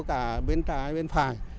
cả bên trái bên phải